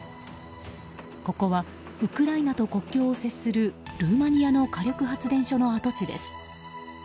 ここはウクライナと国境を接するルーマニアの火力発電所の跡地です。